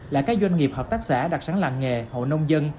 là các doanh nghiệp hợp tác xã đặc sản làng nghề hộ nông dân